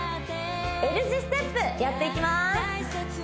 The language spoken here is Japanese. Ｌ字ステップやっていきます